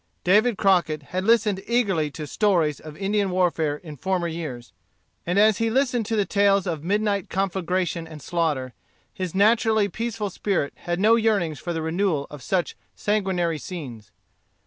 David Crockett had listened eagerly to stories of Indian warfare in former years, and as he listened to the tales of midnight conflagration and slaughter, his naturally peaceful spirit had no yearnings for the renewal of such sanguinary scenes.